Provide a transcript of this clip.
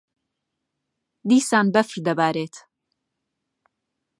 دیسان بەفر دەبارێت.